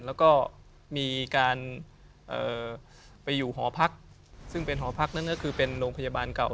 แล้วก็มีการไปอยู่หอพักซึ่งเป็นหอพักนั่นก็คือเป็นโรงพยาบาลเก่า